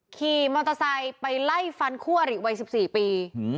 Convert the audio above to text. ขี่มอเตอร์ไซค์ไปไล่ฟันคู่อริวัย๑๔ปี